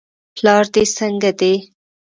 پلار دې څنګه دی.